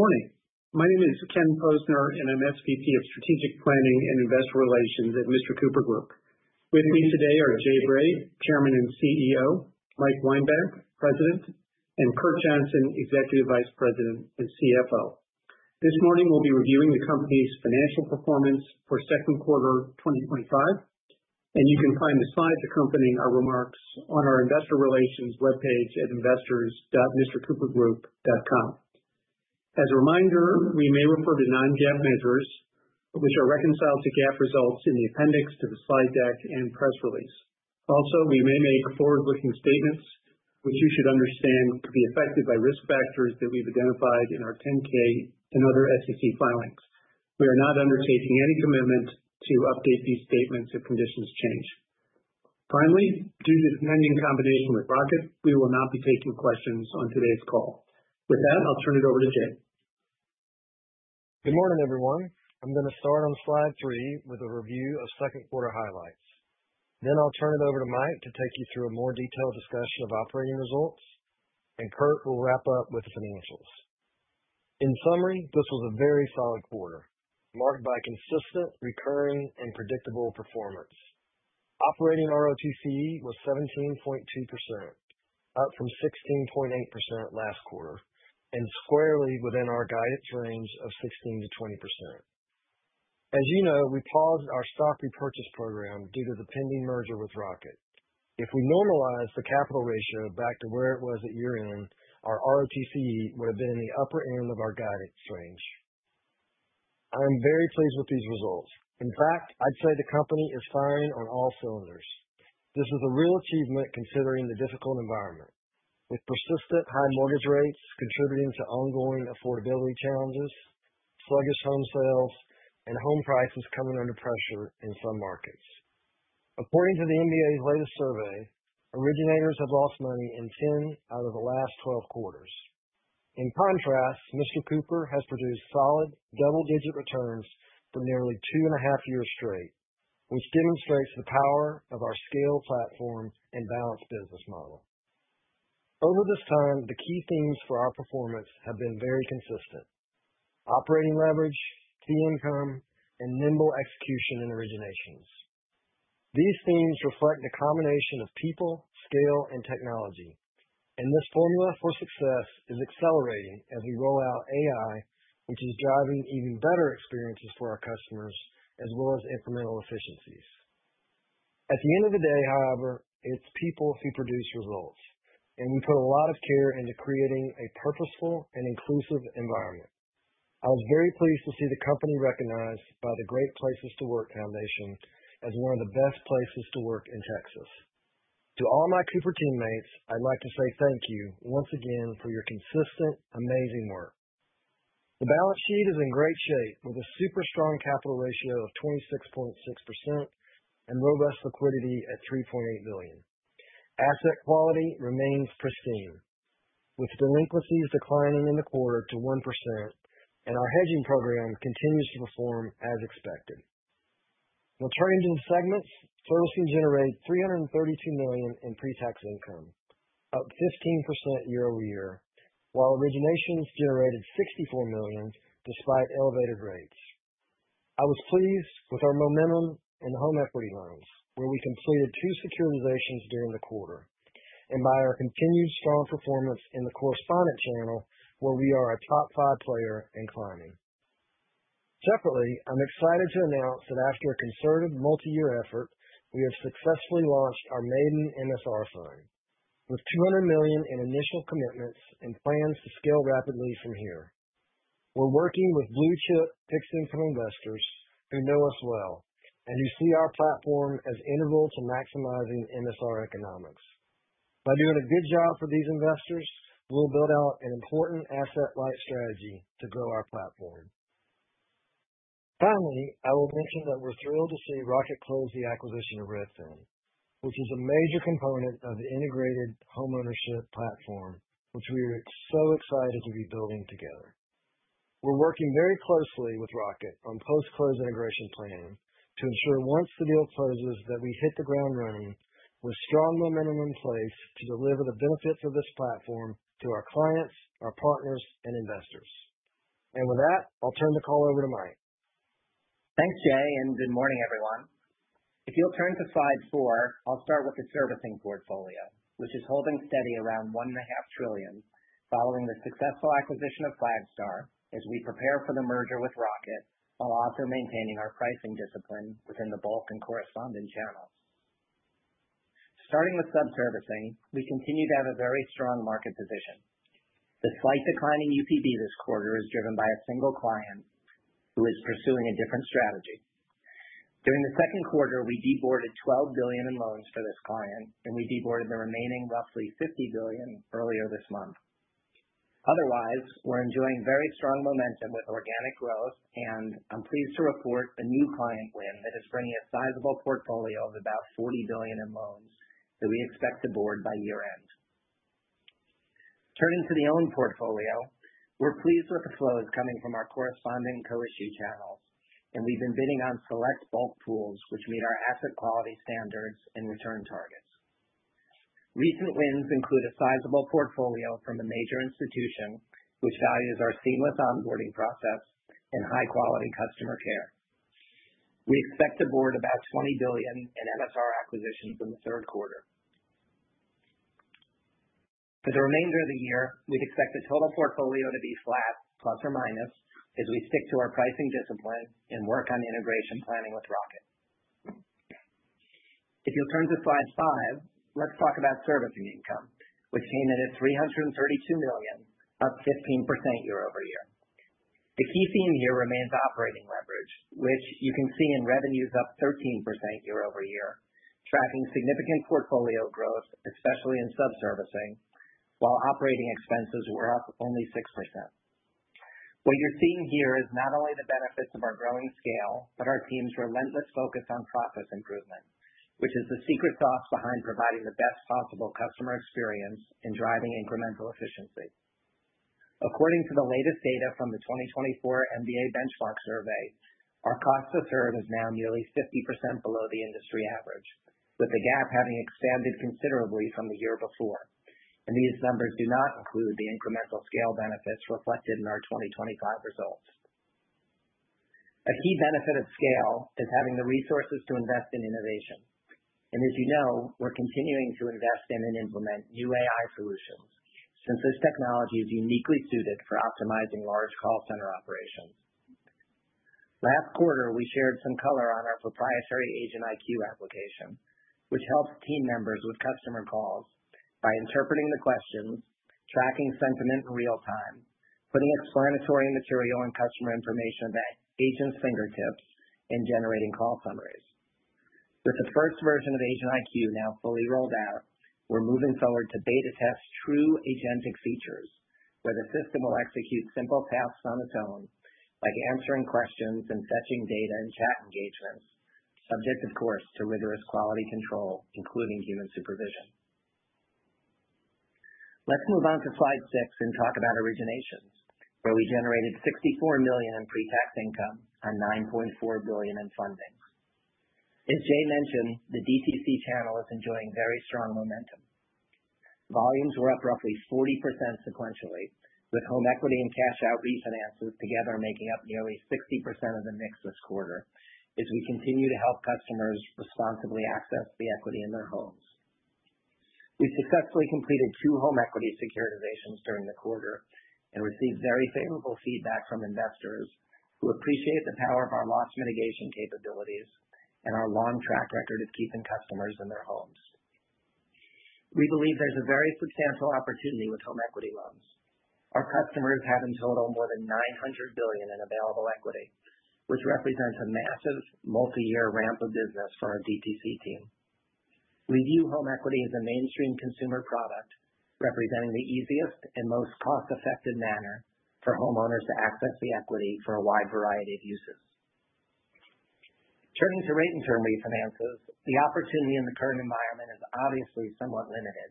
Good morning. My name is Ken Posner, and I'm SVP of Strategic Planning and Investor Relations at Mr. Cooper Group. With me today are Jay Bray, Chairman and CEO; Mike Weinbach, President; and Kurt Johnson, Executive Vice President and CFO. This morning, we'll be reviewing the company's financial performance for second quarter 2025, and you can find the slides accompanying our remarks on our investor relations webpage at investors.mrcoopergroup.com. As a reminder, we may refer to non-GAAP measures, which are reconciled to GAAP results in the appendix to the slide deck and press release. Also, we may make forward-looking statements, which you should understand could be affected by risk factors that we've identified in our 10-K and other SEC filings. We are not undertaking any commitment to update these statements if conditions change. Finally, due to the pending combination with Rocket, we will not be taking questions on today's call. With that, I'll turn it over to Jay. Good morning, everyone. I'm going to start on slide three with a review of second quarter highlights. Then I'll turn it over to Mike to take you through a more detailed discussion of operating results, and Kurt will wrap up with the financials. In summary, this was a very solid quarter, marked by consistent, recurring, and predictable performance. Operating ROTC was 17.2%, up from 16.8% last quarter, and squarely within our guidance range of 16-20%. As you know, we paused our stock repurchase program due to the pending merger with Rocket. If we normalized the capital ratio back to where it was at year-end, our ROTC would have been in the upper end of our guidance range. I'm very pleased with these results. In fact, I'd say the company is firing on all cylinders. This is a real achievement considering the difficult environment, with persistent high mortgage rates contributing to ongoing affordability challenges, sluggish home sales, and home prices coming under pressure in some markets. According to the MBA's latest survey, originators have lost money in 10 out of the last 12 quarters. In contrast, Mr. Cooper has produced solid double-digit returns for nearly two and a half years straight, which demonstrates the power of our scale platform and balanced business model. Over this time, the key themes for our performance have been very consistent: operating leverage, fee income, and nimble execution and originations. These themes reflect the combination of people, scale, and technology, and this formula for success is accelerating as we roll out AI, which is driving even better experiences for our customers, as well as incremental efficiencies. At the end of the day, however, it's people who produce results, and we put a lot of care into creating a purposeful and inclusive environment. I was very pleased to see the company recognized by the Great Places to Work Foundation as one of the best places to work in Texas. To all my Cooper teammates, I'd like to say thank you once again for your consistent, amazing work. The balance sheet is in great shape, with a super strong capital ratio of 26.6% and robust liquidity at $3.8 billion. Asset quality remains pristine, with delinquencies declining in the quarter to 1%, and our hedging program continues to perform as expected. When turned into segments, servicing generated $332 million in pre-tax income, up 15% year-over-year, while originations generated $64 million despite elevated rates. I was pleased with our momentum in home equity loans, where we completed two securitizations during the quarter, and by our continued strong performance in the correspondent channel, where we are a top five player and climbing. Separately, I'm excited to announce that after a concerted multi-year effort, we have successfully launched our maiden MSR fund, with $200 million in initial commitments and plans to scale rapidly from here. We're working with blue-chip fixed-income investors who know us well and who see our platform as integral to maximizing MSR economics. By doing a good job for these investors, we'll build out an important asset-light strategy to grow our platform. Finally, I will mention that we're thrilled to see Rocket close the acquisition of Redfin, which is a major component of the integrated homeownership platform, which we are so excited to be building together. We are working very closely with Rocket on post-close integration planning to ensure, once the deal closes, that we hit the ground running with strong momentum in place to deliver the benefits of this platform to our clients, our partners, and investors. With that, I'll turn the call over to Mike. Thanks, Jay, and good morning, everyone. If you'll turn to slide four, I'll start with the servicing portfolio, which is holding steady around $1.5 trillion following the successful acquisition of Flagstar as we prepare for the merger with Rocket, while also maintaining our pricing discipline within the bulk and correspondent channels. Starting with sub-servicing, we continue to have a very strong market position. The slight decline in UPB this quarter is driven by a single client who is pursuing a different strategy. During the second quarter, we deboarded $12 billion in loans for this client, and we deboarded the remaining roughly $50 billion earlier this month. Otherwise, we're enjoying very strong momentum with organic growth, and I'm pleased to report a new client win that is bringing a sizable portfolio of about $40 billion in loans that we expect to board by year-end. Turning to the owned portfolio, we're pleased with the flows coming from our correspondent and co-issue channels, and we've been bidding on select bulk pools, which meet our asset quality standards and return targets. Recent wins include a sizable portfolio from a major institution, which values our seamless onboarding process and high-quality customer care. We expect to board about $20 billion in MSR acquisitions in the third quarter. For the remainder of the year, we'd expect the total portfolio to be flat, plus or minus, as we stick to our pricing discipline and work on integration planning with Rocket. If you'll turn to slide five, let's talk about servicing income, which came in at $332 million, up 15% year-over-year. The key theme here remains operating leverage, which you can see in revenues up 13% year-over-year, tracking significant portfolio growth, especially in sub-servicing, while operating expenses were up only 6%. What you're seeing here is not only the benefits of our growing scale, but our team's relentless focus on process improvement, which is the secret sauce behind providing the best possible customer experience and driving incremental efficiency. According to the latest data from the 2024 MBA Benchmark Survey, our cost to serve is now nearly 50% below the industry average, with the gap having expanded considerably from the year before. These numbers do not include the incremental scale benefits reflected in our 2025 results. A key benefit of scale is having the resources to invest in innovation. As you know, we're continuing to invest in and implement new AI solutions since this technology is uniquely suited for optimizing large call center operations. Last quarter, we shared some color on our proprietary Agent IQ application, which helps team members with customer calls by interpreting the questions, tracking sentiment in real time, putting explanatory material and customer information at agents' fingertips, and generating call summaries. With the first version of Agent IQ now fully rolled out, we're moving forward to beta test true agentic features, where the system will execute simple tasks on its own, like answering questions and fetching data and chat engagements, subject, of course, to rigorous quality control, including human supervision. Let's move on to slide six and talk about originations, where we generated $64 million in pre-tax income on $9.4 billion in funding. As Jay mentioned, the DTC channel is enjoying very strong momentum. Volumes were up roughly 40% sequentially, with home equity and cash-out refinances together making up nearly 60% of the mix this quarter, as we continue to help customers responsibly access the equity in their homes. We successfully completed two home equity securitizations during the quarter and received very favorable feedback from investors who appreciate the power of our loss mitigation capabilities and our long track record of keeping customers in their homes. We believe there's a very substantial opportunity with home equity loans. Our customers have in total more than $900 billion in available equity, which represents a massive multi-year ramp of business for our DTC team. We view home equity as a mainstream consumer product, representing the easiest and most cost-effective manner for homeowners to access the equity for a wide variety of uses. Turning to rate-increment refinances, the opportunity in the current environment is obviously somewhat limited,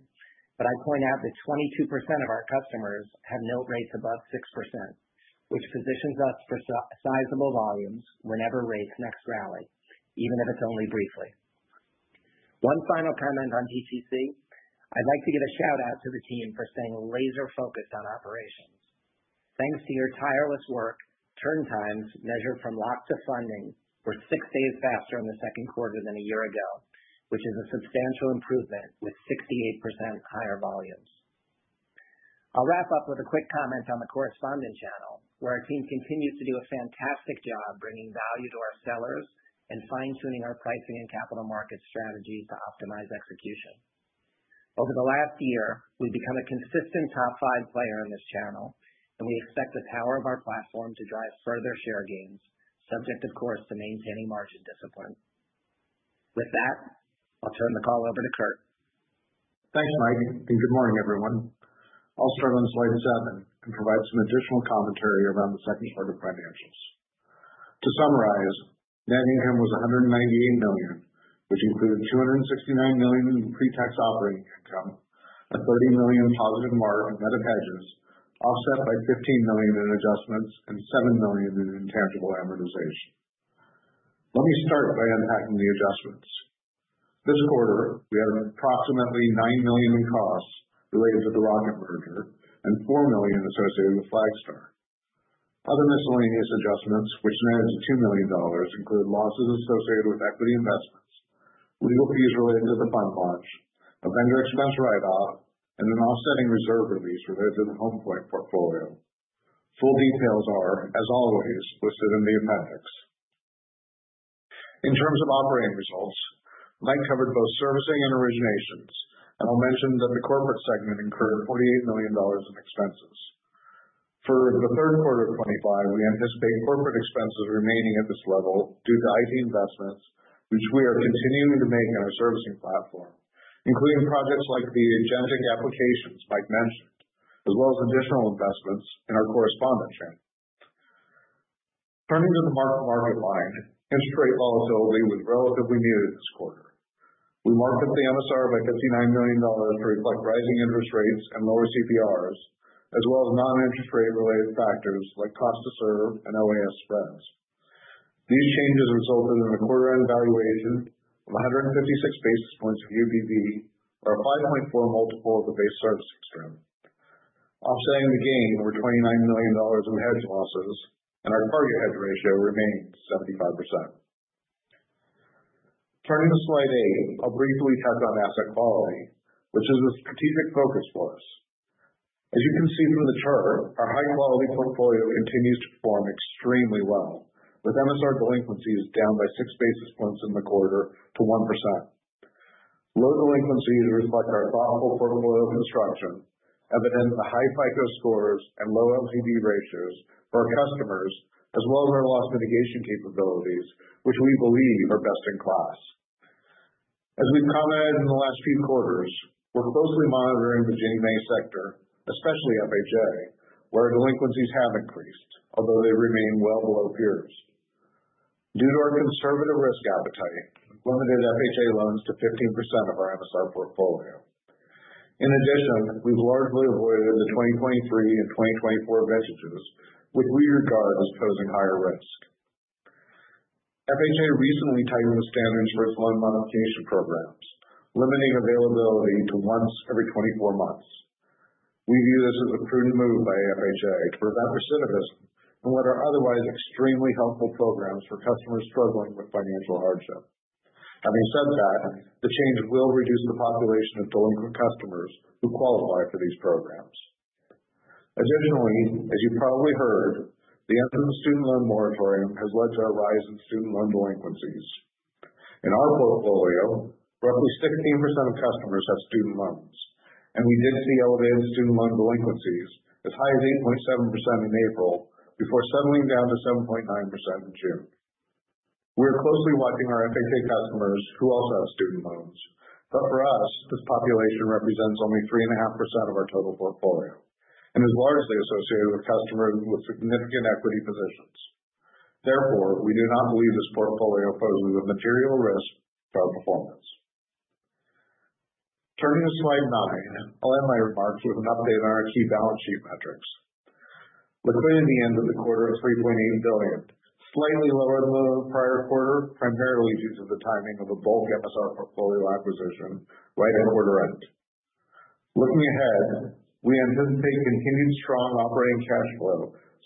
but I'd point out that 22% of our customers have note rates above 6%, which positions us for sizable volumes whenever rates next rally, even if it's only briefly. One final comment on DTC: I'd like to give a shout-out to the team for staying laser-focused on operations. Thanks to your tireless work, turn times measured from lock to funding were six days faster in the second quarter than a year ago, which is a substantial improvement with 68% higher volumes. I'll wrap up with a quick comment on the correspondent channel, where our team continues to do a fantastic job bringing value to our sellers and fine-tuning our pricing and capital market strategies to optimize execution. Over the last year, we've become a consistent top five player in this channel, and we expect the power of our platform to drive further share gains, subject, of course, to maintaining margin discipline. With that, I'll turn the call over to Kurt. Thanks, Mike, and good morning, everyone. I'll start on slide seven and provide some additional commentary around the second quarter financials. To summarize, net income was $198 million, which included $269 million in pre-tax operating income, a $30 million positive mark on net of hedges, offset by $15 million in adjustments and $7 million in intangible amortization. Let me start by unpacking the adjustments. This quarter, we had approximately $9 million in costs related to the Rocket merger and $4 million associated with Flagstar. Other miscellaneous adjustments, which amounted to $2 million, include losses associated with equity investments, legal fees related to the fund launch, a vendor expense write-off, and an offsetting reserve release related to the HomePoint portfolio. Full details are, as always, listed in the appendix. In terms of operating results, Mike covered both servicing and originations, and I'll mention that the corporate segment incurred $48 million in expenses. For the third quarter of 2025, we anticipate corporate expenses remaining at this level due to IP investments, which we are continuing to make in our servicing platform, including projects like the Agent IQ applications Mike mentioned, as well as additional investments in our correspondent channel. Turning to the market line, interest rate volatility was relatively muted this quarter. We marked up the MSR by $59 million to reflect rising interest rates and lower constant prepayment rates, as well as non-interest rate-related factors like cost to serve and option-adjusted spread spreads. These changes resulted in a quarter-end valuation of 156 basis points of UPB, or a 5.4 multiple of the base servicing stream. Offsetting the gain, were $29 million in hedge losses, and our target hedge ratio remains 75%. Turning to slide eight, I'll briefly touch on asset quality, which is a strategic focus for us. As you can see from the chart, our high-quality portfolio continues to perform extremely well, with MSR delinquencies down by six basis points in the quarter to 1%. Low delinquencies reflect our thoughtful portfolio construction, evident in the high FICO scores and low LTV ratios for our customers, as well as our loss mitigation capabilities, which we believe are best in class. As we've commented in the last few quarters, we're closely monitoring the Ginnie Mae sector, especially FHA, where delinquencies have increased, although they remain well below peers. Due to our conservative risk appetite, we've limited FHA loans to 15% of our MSR portfolio. In addition, we've largely avoided the 2023 and 2024 vintages, which we regard as posing higher risk. FHA recently tightened the standards for its loan modification programs, limiting availability to once every 24 months. We view this as a prudent move by FHA to prevent recidivism in what are otherwise extremely helpful programs for customers struggling with financial hardship. Having said that, the change will reduce the population of delinquent customers who qualify for these programs. Additionally, as you've probably heard, the end of the student loan moratorium has led to a rise in student loan delinquencies. In our portfolio, roughly 16% of customers have student loans, and we did see elevated student loan delinquencies as high as 8.7% in April before settling down to 7.9% in June. We're closely watching our FHA customers who also have student loans, but for us, this population represents only 3.5% of our total portfolio and is largely associated with customers with significant equity positions. Therefore, we do not believe this portfolio poses a material risk to our performance. Turning to slide nine, I'll end my remarks with an update on our key balance sheet metrics. Liquidity ended the quarter at $3.8 billion, slightly lower than the prior quarter, primarily due to the timing of a bulk MSR portfolio acquisition right at quarter end. Looking ahead, we anticipate continued strong operating cash flow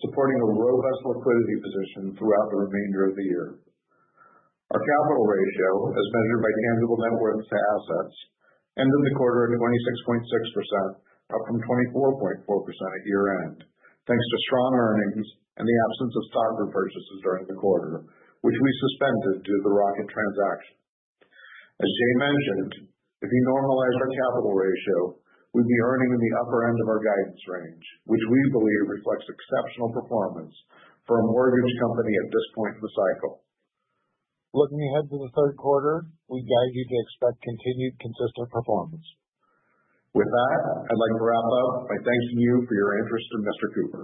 supporting a robust liquidity position throughout the remainder of the year. Our capital ratio, as measured by tangible net worth to assets, ended the quarter at 26.6%, up from 24.4% at year-end, thanks to strong earnings and the absence of stock repurchases during the quarter, which we suspended due to the Rocket transaction. As Jay mentioned, if we normalize our capital ratio, we'd be earning in the upper end of our guidance range, which we believe reflects exceptional performance for a mortgage company at this point in the cycle. Looking ahead to the third quarter, we'd guide you to expect continued consistent performance. With that, I'd like to wrap up by thanking you for your interest in Mr. Cooper.